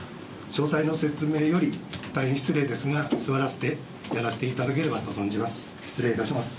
詳細の説明より、大変失礼ですが、座らせてやらせていただければと存じます。